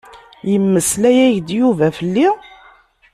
Imeslay-ak-d Yuba fell-i?